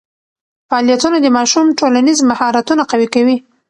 فعالیتونه د ماشوم ټولنیز مهارتونه قوي کوي.